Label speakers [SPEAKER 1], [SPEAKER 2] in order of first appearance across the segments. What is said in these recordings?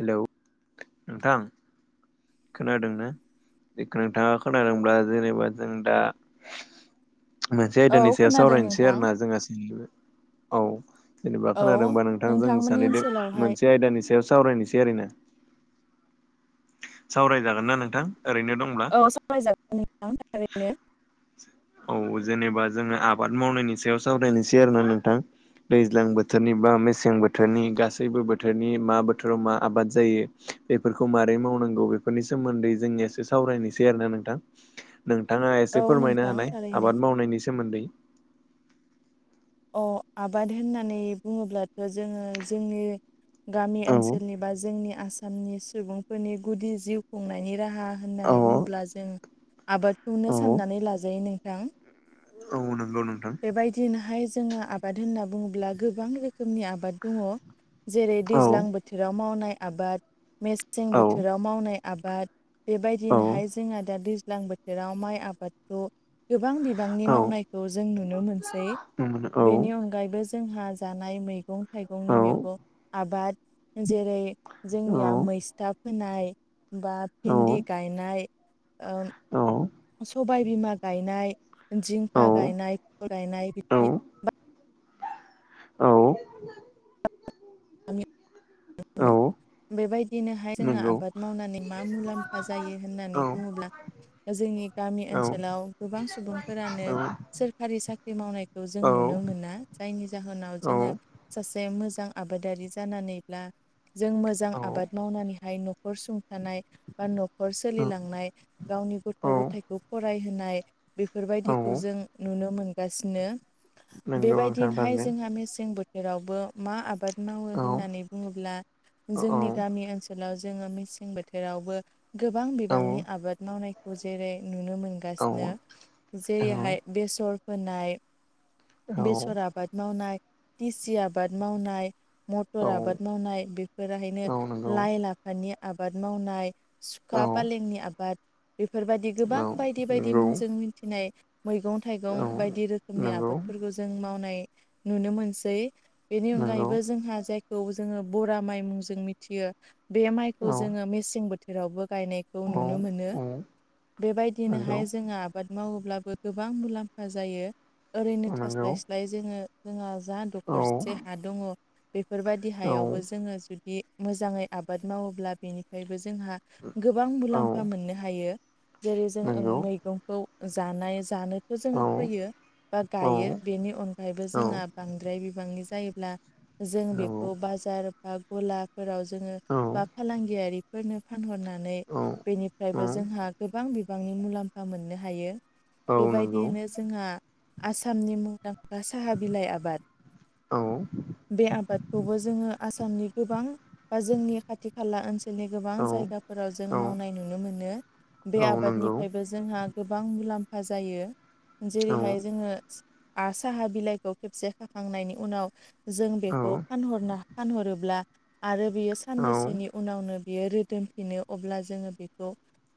[SPEAKER 1] Hello नोंथां खोनादों ना बेखौ नोंथाङा खोनादोंब्ला जेनेबा जों दा मोनसे
[SPEAKER 2] औ
[SPEAKER 1] आयदानि सायाव
[SPEAKER 2] खोनादों
[SPEAKER 1] सावरायनोसै
[SPEAKER 2] नोंथां
[SPEAKER 1] आरोना जोंहा सैबो औ जेनेबा
[SPEAKER 2] औ
[SPEAKER 1] खोनादोंबा नोंथां जों
[SPEAKER 2] नोंथांमोननि
[SPEAKER 1] सानैदों
[SPEAKER 2] ओनसोलावहाय
[SPEAKER 1] मोनसे आयदानि सायाव सावरायनोसै आरो ना सावरायजागोन ना नोंथां ओरैनो दंब्ला
[SPEAKER 2] औ सावरायजागोन नोंथां थारैनो
[SPEAKER 1] औ जेनेबा जोङो आबाद मावनायनि सायाव सावरायनोसै आरोना नोंथां दैज्लां बोथोरनि बा मेसें बोथोरनि गासैबो बोथोरनि मा बोथोराव मा आबाद जायो बेफोरखौ माबोरै मावनांगौ बेफोरनि सोमोन्दै जोंनियासो सावरायनोसै आरोना नोंथां नोंथाङा एसे
[SPEAKER 2] औ
[SPEAKER 1] फोरमायनो
[SPEAKER 2] नोंथां
[SPEAKER 1] हानाय
[SPEAKER 2] थारैनो
[SPEAKER 1] आबाद मावनायनि सोमोन्दै
[SPEAKER 2] अ आबाद होननानै बुङोब्लाथ' जोङो जोंनि गामि
[SPEAKER 1] औ
[SPEAKER 2] ओनसोलनि बा जोंनि आसामनि सुबुंफोरनि गुदि जिउ खुंनायनि राहा होननानै
[SPEAKER 1] औ
[SPEAKER 2] बुङोब्ला जों आबादखौनो
[SPEAKER 1] औ
[SPEAKER 2] साननानै लाजायो नोंथां
[SPEAKER 1] औ नोंगौ नोंथां
[SPEAKER 2] बेबायदिनोहाय जोंङो आबाद होनना बुङोब्ला गोबां रोखोमनि आबाद दङ जेरै
[SPEAKER 1] औ
[SPEAKER 2] दैज्लां बोथोराव मावनाय आबाद मेसें
[SPEAKER 1] औ
[SPEAKER 2] बोथोराव मावनाय आबाद
[SPEAKER 1] औ
[SPEAKER 2] बेबायदिनोहाय जोंहा दा दैज्लां बोथोराव माइ आबादखौ गोबां बिबांनि
[SPEAKER 1] औ
[SPEAKER 2] मावनायखौ जों नुनो मोनसै
[SPEAKER 1] औ
[SPEAKER 2] बेनि अनगायैबो जोंहा जानाय मैगं थाइगंनि
[SPEAKER 1] औ
[SPEAKER 2] मैगं आबाद जेरै
[SPEAKER 1] औ
[SPEAKER 2] जोंनिया मैस्था फोनाय बा भेन्दि गायनाय ओं सबाय बिमा गायनाय जिंखा गायनाय गायनाय
[SPEAKER 1] औ
[SPEAKER 2] बिदि
[SPEAKER 1] औ
[SPEAKER 2] [unintelligible]
[SPEAKER 1] औ
[SPEAKER 2] बेबायदिनोहाय जोङो
[SPEAKER 1] नंगौ
[SPEAKER 2] आबाद मावनानै मा मुलाम्फा जायो
[SPEAKER 1] औ
[SPEAKER 2] होननानै बुङोब्ला जोंनि गामि
[SPEAKER 1] औ
[SPEAKER 2] ओनसोलाव गोबां सुबुंफोरानो सोरखारि साख्रि मावनायखौ जों
[SPEAKER 1] औ
[SPEAKER 2] नुनो मोना जायनि जाहोनाव
[SPEAKER 1] औ
[SPEAKER 2] जोङो सासे मोजां आबादारि जानानैब्ला जों मोजां
[SPEAKER 1] औ
[SPEAKER 2] आबाद मावनानैहाय न'खर सुंथानाय बा न'खर सोलिलांनाय गावनि गथ'
[SPEAKER 1] औ
[SPEAKER 2] गथायखौ फरायहोनाय
[SPEAKER 1] औ
[SPEAKER 2] बेफोरबायदिखौ जों नुनो मोनगासिनो
[SPEAKER 1] नंगौ नोंथां
[SPEAKER 2] बेबायदिनोहाय
[SPEAKER 1] थारैनो
[SPEAKER 2] जोंहा मेसें बोथोरावबो मा आबाद मावो
[SPEAKER 1] औ
[SPEAKER 2] होननानै बुङोब्ला
[SPEAKER 1] औ
[SPEAKER 2] जोंनि गामि ओनसोलाव जोङो मेसें बोथोरावबो गोबां
[SPEAKER 1] औ
[SPEAKER 2] बिबांनि आबाद मावनायखौ जेरै नुनो
[SPEAKER 1] औ
[SPEAKER 2] मोनगासिनो जेरैहाय बेसर फोनाय
[SPEAKER 1] औ
[SPEAKER 2] बेसर आबाद मावनाय दिसि आबाद मावनाय मटर
[SPEAKER 1] औ
[SPEAKER 2] आबाद मावनाय बेफोराहायनो
[SPEAKER 1] औ नंगौ
[SPEAKER 2] लाइ लाफानि आबाद मावनाय
[SPEAKER 1] औ
[SPEAKER 2] सुखा फालेंनि आबाद बेफोरबायदि गोबां बायदि बायदि
[SPEAKER 1] नंगौ
[SPEAKER 2] मुंजों मिथिनाय मैगं
[SPEAKER 1] औ
[SPEAKER 2] थाइगं बायदि रोखोमनि
[SPEAKER 1] नंगौ
[SPEAKER 2] आबादफोरखौ जों मावनाय नुनो मोनसै बेनि
[SPEAKER 1] नंगौ
[SPEAKER 2] अनगायैबो जोंहा जायखौ जोङो बरा माइ मुंजों मिथियो बे
[SPEAKER 1] औ
[SPEAKER 2] माइखौ जोङो मेसें बोथोरावबो गायनायखौ
[SPEAKER 1] औ
[SPEAKER 2] नुनो मोनो
[SPEAKER 1] औ नंगौ
[SPEAKER 2] बेबायदिनोहाय जोङो आबाद मावोब्लाबो गोबां मुलाम्फा जायो ओरैनो
[SPEAKER 1] नंगौ
[SPEAKER 2] थास्लायस्लाय जोङो जोंहा जा
[SPEAKER 1] औ
[SPEAKER 2] दखरसे हा दङ बेफोरबायदि
[SPEAKER 1] औ
[SPEAKER 2] हायावबो जोङो जुदि मोजाङै आबाद मावोब्ला बेनिफ्रायबो जोंहा गोबां
[SPEAKER 1] औ
[SPEAKER 2] मुलाम्फा मोननो हायो जेरै जों
[SPEAKER 1] नंगौ
[SPEAKER 2] मैगंखौ जानाय जानोथ'
[SPEAKER 1] औ
[SPEAKER 2] जोङो फैयो बा
[SPEAKER 1] औ
[SPEAKER 2] गायो बेनि अनगायैबो
[SPEAKER 1] औ
[SPEAKER 2] जोंहा बांद्राय बिबांनि जायोब्ला जों
[SPEAKER 1] नंगौ
[SPEAKER 2] बेखौ बाजार बा गलाफोराव जोङो
[SPEAKER 1] औ
[SPEAKER 2] बा फालांगियारिफोरनो फानहरनानै
[SPEAKER 1] औ
[SPEAKER 2] बेनिफ्रायबो जोंहा गोबां बिबांनि मुलाम्फा मोननो हायो
[SPEAKER 1] औ नंगौ
[SPEAKER 2] बेबायदियैनो जोंहा आसामनि मुंदांखा साहा बिलाइ आबाद
[SPEAKER 1] औ
[SPEAKER 2] बे आबादखौबो जोङो आसामनि गोबां बा जोंनि खाथि खाला ओनसोलनि गोबां
[SPEAKER 1] औ
[SPEAKER 2] जायगाफोराव जों
[SPEAKER 1] औ
[SPEAKER 2] मावनाय नुनो मोनो
[SPEAKER 1] औ
[SPEAKER 2] बे
[SPEAKER 1] नंगौ
[SPEAKER 2] आबादनिफ्रायबो जोंहा गोबां मुलाम्फा जायो
[SPEAKER 1] औ
[SPEAKER 2] जेरैहाय जोङो आ साहा बिलाइखौ खेबसे खाखांनायनि उनाव जों
[SPEAKER 1] औ
[SPEAKER 2] बेखौ फानहरनो फानहरोब्ला आरो बियो
[SPEAKER 1] औ
[SPEAKER 2] साननैसोनि उनावनो बियो रोदोमफिनो अब्ला जोङो बेखौ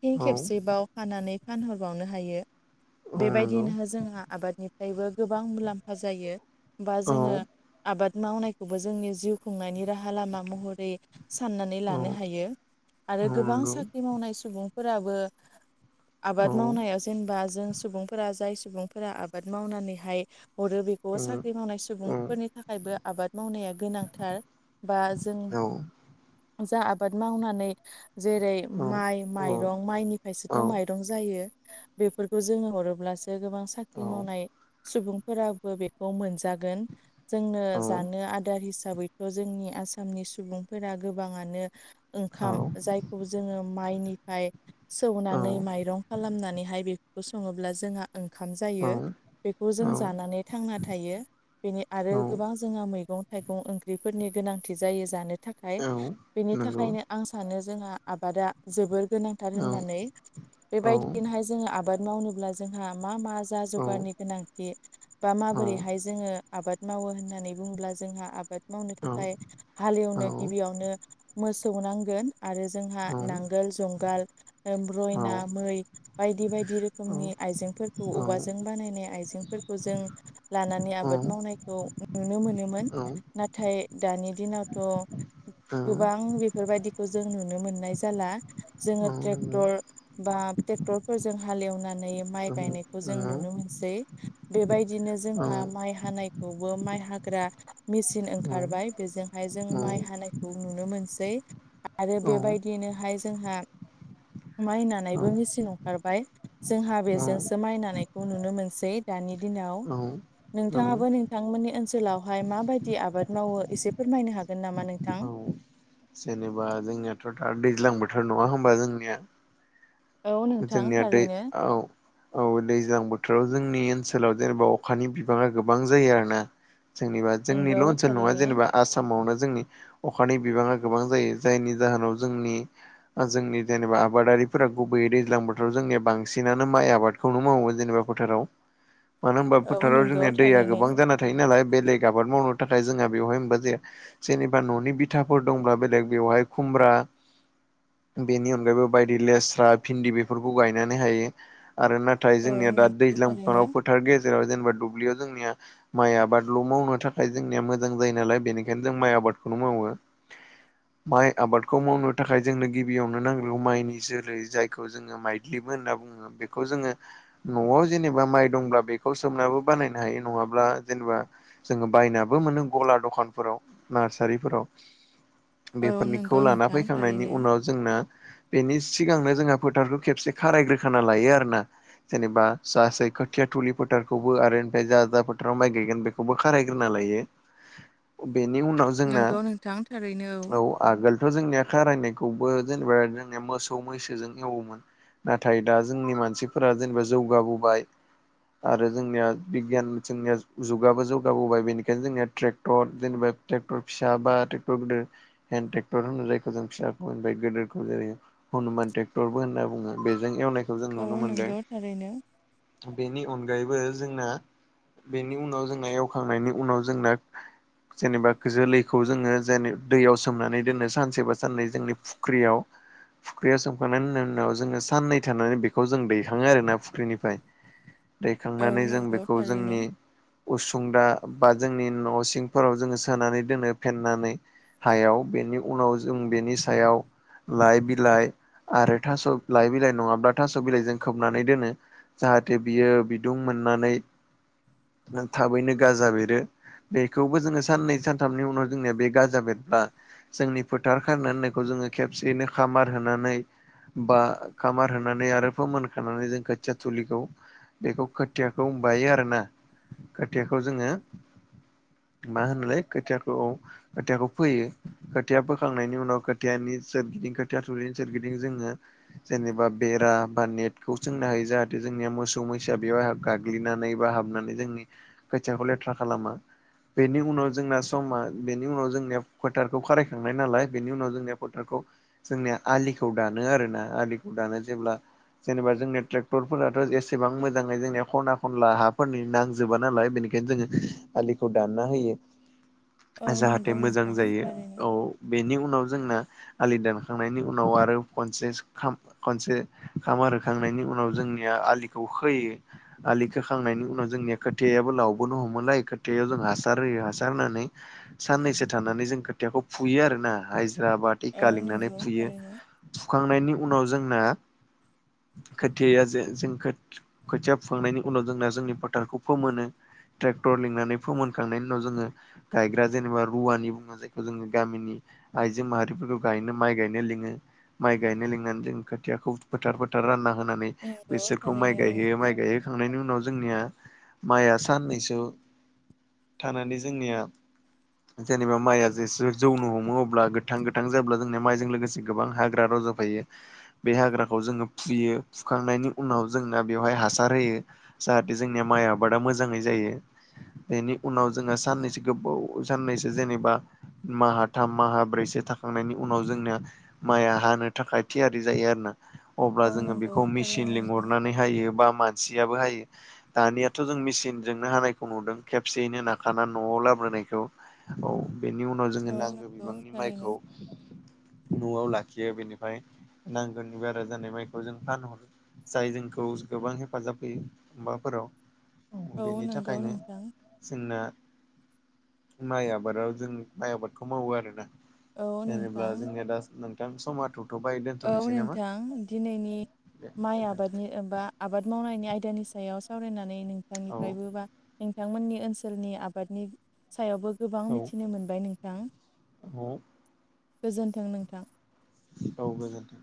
[SPEAKER 2] फिन खेबसेबाव खानानै फानहरबावनो हायो
[SPEAKER 1] नंगौ औ नंगौ औ
[SPEAKER 2] बेबायदिनो जोंहा आबादनिफ्रायबो गोबां मुलाम्फा जायो बा जोङो आबाद मावनायखौबो जोंनि जिउ खुंनायनि राहा लामा महरै साननानै लानो हायो
[SPEAKER 1] औ
[SPEAKER 2] आरो गोबां साख्रि मावनाय सुबुंफोराबो आबाद मावनायाव जेनेबा जों सुबुंफोरा जाय सुबुंफोरा आबाद मावनानैहाय हरो बेखौ साख्रि मावनाय सुबुंफोरनि थाखायबो आबाद मावनाया गोनांथार बा जों जा आबाद मावनानै जेरै माइ
[SPEAKER 1] औ
[SPEAKER 2] माइरं
[SPEAKER 1] औ
[SPEAKER 2] माइनिफ्रायसोथ' माइरं जायो बेफोरखौ जोङो हरोब्लासो गोबां साख्रि [unintelligible]
[SPEAKER 1] औ
[SPEAKER 2] मावनाय सुबुंफोराबो बेखौ मोनजागोन जोंनो जानो आदार हिसाबैथ' जोंनि आसामनि सुबुंफोरा गोबाङानो ओंखाम जायखौ जोङो माइनिफ्राय सौनानै माइरं खालामनानैहाय बेखौ सङोब्ला जोंहा ओंखाम ज जायो बेखौ जों जानानै थांना थायो बेनि आरो गोबां जोंहा मैगं थाइगं ओंख्रिफोरनि गोनांथि जायो जानो थाखाय बेनि थाखायनो आं सानो जोंहा आबादा जोबोर गोनांथार होननानै बेबायदिनोहाय जोङो आबाद मावनोब्ला जोंहा मा मा जा जगारनि गोनांथि बा माबोरैहाय जोङो आबाद मावो होननानै बुङोब्ला जोंहा आबाद मावनो थाखाय हालेवनो गिबियावनो मोसौ नांगोन आरो जोंहा नांगोल जुंगाल रयना मै बायदि बायदि रोखोमनि आइजेंफोरखौ औवा ज जों बानायनाय आइजेंफोरखौ जों लानानै आबाद मावनायखौ नुनो मोनोमोन। नाथाय दानि दिनावथ' गोबां बेफोरबायदिखौ जों नुनो मोननाय जाला। जोङो ट्रेक्टर बा ट्रेक्टर फोरजों हालेवनानै माइ गायनायखौ ज जों नुनो मोनसै बेबायदिनो जोंहा माइ हानायखौबो माइ हाग्रा। मेचिन ओंखारबाय बेजोंहाय जों माइ हानायखौ नुनो मोनसै। आरो बेबायदिनोहाय जोंहा। माइनानैबो मेचिन ओंखारबाय जोंहा बेजोंसो माइनानाय। खौ नुनो मोनसै दानि दिनाव। नोंथाङाबो नोंथांमोननि ओनसोलावहाय माबायदि आबाद मावो एसे फोरमायनो हागोन नामा नोंथां
[SPEAKER 1] जेनेबा जोंनियाथ' दा दैज्लां बोथोर नङा होमबा जोंनिया
[SPEAKER 2] औ नोंथां
[SPEAKER 1] जोंनिया दै
[SPEAKER 2] थारैनो
[SPEAKER 1] औ औ दैज्लां बोथोराव जोंनि ओनसोलाव जेनेबा अखानि बिबाङा गोबां जायो आरो ना जोंनिबा
[SPEAKER 2] नंगौ
[SPEAKER 1] जोंनिल' ओनसोल नङा
[SPEAKER 2] थारैनो
[SPEAKER 1] जेनेबा आसामावनो जोंनि अखानि बिबाङा गोबां जायो जायनि जाहोनाव जोंनि। जोंनि जेनेबा आबादारिफोरा। गुबैयै दैज्लां बोथोराव जोंनिया बांसिनानो माइ आबादखौनो मावोन जेनेबा फोथाराव। मानो होनबा
[SPEAKER 2] औ
[SPEAKER 1] फोथाराव
[SPEAKER 2] नंगौ
[SPEAKER 1] जोंनिया दैया
[SPEAKER 2] थारैनो
[SPEAKER 1] गोबां जाना थायो नालाय बेलेग आबाद मावनो थाखाय जोंहा बेवहाय होनोमबा जाया जेनेबा न'नि बिथाफोर दंब्ला बेलेग बेवहाय खुमब्रा। बेनि अनगायैबो बायदि लेस बा भिन्दि बेफोरखौ गायनानै हायो आरो नाथाय
[SPEAKER 2] औ
[SPEAKER 1] जोंनिया दा
[SPEAKER 2] नंगौ थारैनो
[SPEAKER 1] दैज्लांफोराव फोथार गेजे जेराव जेनेबा दुब्लियाव जोंनिया। माइ आबादल' मावनो थाखाय जोंनिया मोजां जायो नालाय बेनिखायनो जों माइ आबादखौल' मावो। माइ आबादखौ मावनो थाखाय जोंनो गिबियावनो नांग्रोगौ माइनि जोलै। जायखौ जोङो माइलिबो होनना बुङो बेखौ जोङो। न'आव जेनेबा माइ दंब्ला बेखौ सोमनायाबो बानायनो हायो नङाब्ला जेनेबा। जोङो बायनाबो मोनो गला दखानफोराव नार्सारिफोराव
[SPEAKER 2] औ
[SPEAKER 1] बेफोरनिखौ
[SPEAKER 2] नंगौ
[SPEAKER 1] लाना
[SPEAKER 2] नोंथां
[SPEAKER 1] फैखांनायनि
[SPEAKER 2] थारैनो
[SPEAKER 1] उनाव जोंना बेनि सिगांनो। जोंहा फोथारखौ खेबसे खारायग्रोखाना लायो आरोना। जेनेबा सासे खोथिया थुलि फोथारखौबो आरो ओमफ्राय जा जा फोथाराव माइ गायगोन बे खौबो खारायग्रोना लायो बेनि उनाव जोंना
[SPEAKER 2] नंगौ नोंथां थारैनो
[SPEAKER 1] औ आगोलथ' जोंनि खारायनायखौबो जेनेबा जोंनिया मोसौ मैसोजों। मावोमोन नाथाय दा जोंनि मानसिफोरा जेनेबा जौगाबोबाय। आरो जोंनिया बिगियान जोंनिया जुगाबो जौगाबोबाय बेनिखायनो जोंनिया ट्रेक्टर जेनेबा। ट्रेक्टर फिसा बा ट्रेक्टर गोदोर। हन्द ट्रेक्टर होनो जायखौ जों फिसाखौ गोद जेरै हनुमानट्रे क्टरबो होनना बुङो बेजों एवनायखौ जों
[SPEAKER 2] औ
[SPEAKER 1] नुनो मोनदों।
[SPEAKER 2] नंगौ थारैनो
[SPEAKER 1] बेनि अनगायैबो जोंना। बेनि उनाव जोंना एवखांनायनि उनाव जोंना। जेनेबा जोलैखौ जोङो जेन दैयाव सोमनानै दोनो सानसेबा साननै जोंनि। फुख्रियाव फुख्रिया सो [unintelligible] उनाव जोङो साननै थानानै बेखौ जों दैखाङो आरो ना फुख्रिनिफ्राय।
[SPEAKER 2] औ
[SPEAKER 1] दैखांनानै जों
[SPEAKER 2] नंगौ
[SPEAKER 1] बेखौ
[SPEAKER 2] थारैनो
[SPEAKER 1] जोंनि। उसुंदा बा जोंनि न' सिंफोराव जोङो सोनानै दोनो फेनानै। हायाव बेनि उनाव जों बेनि सायाव लाइ बिलाइ। आरो थास' लाइ बिलाइ नङाब्ला थास' बिलाइजों खोबनानै दोनो। जाहाथे बियो बिदुं मोननानै थाबैनो गाजा बेरो। बेखौबो जोङो साननै सानथामनि उनाव जोंनिया बे गाजा बेेदब्ला। जोंनि फोथार खारना होननायखौ जोङो खेबसेयैनो खामार होनानै। बा खामार होनानै आरो फोमोनखानानै जों खोथिया थुलिखौ। बेखौ खोथियाखौ बायो आरोना खोथियाखौ जोङो मा होनलाय खोथियाखौ खोथियाखौ फोयो खोथाया बोखांनायनि उनाव खोथाययानि सोरगिदिं खोथि थुरिनि सोरगिदिं जोङो जेनेबा बेरा बा नेटखौ सोंनो हायो जाहाथे जोंनिया मोसौ मैसा बेयाव गाग्लिनानै बा हाबनानै जोंनि खोथियाखौ लेथ्रा खालामा बेनि उनाव जोंना समा बेनि उनाव जोंनिया फोथारखौ खारायखांनाय नालाय बेनि उनाव जोंनिया फोथारखौ जोंनिया आलिखौ दानो आरोना आलिखौ दानो जेब्ला जेनेबा जोंनि ट्रेक्टरफोराथ' एसेबां मोजाङै जोंनिया खना खनला हाफोरनि नांजोबा नालाय बेनिखाय बेखायनो जोङो आलिखौ दानना होयो
[SPEAKER 2] औ
[SPEAKER 1] जाहाथे
[SPEAKER 2] नंगौ
[SPEAKER 1] मोजां
[SPEAKER 2] नोंथां
[SPEAKER 1] जायो
[SPEAKER 2] थारैनो
[SPEAKER 1] औ बेनि उनाव जोंना आलि दानखांनायनि उनाव आरो खनसे खाम खनसे खामार होखांनायनि उनाव जोंनिया आलिखौ खोयो आलि खोखांनायनि उनाव जोंनिया खोथायाबो लावबोनो हमोलाय खोथायायाव जों हासार होयो हासार होनानै साननैसो थानानै जों खोथियाखौ फुयो आरो ना हायज्राबा
[SPEAKER 2] औ
[SPEAKER 1] थिका लिंनानै
[SPEAKER 2] नंगौ
[SPEAKER 1] फुयो
[SPEAKER 2] थारैनो
[SPEAKER 1] फुखांनायनि उनाव जोंना खोथिया जे जों [unintelligible] खोथिया फांनायनि उनाव जोंना जोंनि फोथारखौ फोमोनो ट्रेक्टर लिंनानै फोमोनखांनायनि उनाव जोङो गायग्रा जेनेबा रुवानि बुङो जायखौ जोङो गामिनि आइजो माहारिफोरखौ गायनो माइ गायनो लिङो। माइ गायनो लिंनानै जों खोथियाखौ फोथार फोथार रानना होनानै
[SPEAKER 2] नंगौ
[SPEAKER 1] बेसोरखौ माइ
[SPEAKER 2] थारैनो
[SPEAKER 1] गायहोयो माइ गायहोखांनायनि उनाव जोंनिया माइआ साननैसो थानानै जोंनिया जेनेबा माइआ जेसे जौनो हमो अब्ला गोथां- गोथां जायोला जोंनि माइजों लोगोसे गोबां हाग्रा रज'फैयो। बे हाग्राखौ जोङो फुयो। फुखांनायनि उनाव जोंना बेवहाय हासार होयो। जाहाथे जोंनिया माइ आबादा मोजाङै जायो। बेनि उनाव जोङो साननैसो गोबाव साननैसो जेनेबा माहा थाम माहा ब्रैसो थाखांनायनि उनाव जोंनिया माइआ हानो थाखाय थियारि जायो आरो ना। अब्ला
[SPEAKER 2] औ
[SPEAKER 1] जोङो
[SPEAKER 2] नंगौ
[SPEAKER 1] बेखौ
[SPEAKER 2] थारैनो
[SPEAKER 1] मिसिन
[SPEAKER 2] नोंथां
[SPEAKER 1] लिंहरनानै हायो बा मानसियाबो हायो‌। दानियाथ' जों मिसिनजोंनो हानायखौ नुदों। खेबसेयैनो नाखाना न'आव लाबोनायखौ। औ बेनि उनाव जोङो
[SPEAKER 2] औ
[SPEAKER 1] नांगौ
[SPEAKER 2] नंगौ
[SPEAKER 1] बिबांनि
[SPEAKER 2] थारैनो
[SPEAKER 1] माइखौ न'आव लाखियो बेनिफ्राय नांगोनि बारा जानाय माइखौ जों फानहरो। जाय जोंखौ गोबां हेफाजाब होयो माबाफोराव
[SPEAKER 2] औ
[SPEAKER 1] बेनि
[SPEAKER 2] नंगौ
[SPEAKER 1] थाखायनो
[SPEAKER 2] नोंथां
[SPEAKER 1] जोंना माइ आबादाव जों माइ आबादखौ मावो आरोना।
[SPEAKER 2] औ
[SPEAKER 1] जेनेब्ला
[SPEAKER 2] नोंथां
[SPEAKER 1] जोङो दा नोंथां समा [unintelligible]
[SPEAKER 2] औ
[SPEAKER 1] दोनथ'नोसै नामा
[SPEAKER 2] नोंथां दिनैनि
[SPEAKER 1] दे
[SPEAKER 2] माइ
[SPEAKER 1] गोजोनथों
[SPEAKER 2] आबादनि एबा आबाद मावनायनि आयदानि सायाव सावरायनानै
[SPEAKER 1] औ
[SPEAKER 2] नोंथांनिफ्रायबो [unintelligible] नोंथांमोननि ओनसोलनि आबादनि सायावबो गोबां
[SPEAKER 1] औ
[SPEAKER 2] मिथिनो मोनबाय नोंथां।
[SPEAKER 1] [unintelligible]
[SPEAKER 2] गोजोन्थों नोंथां।
[SPEAKER 1] औ गोजोनथों।